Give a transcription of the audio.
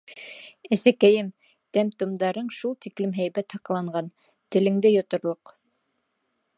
Әсәкәйем, тәм-томдарың шул тиклем һәйбәт һаҡланған, телеңде йоторлоҡ...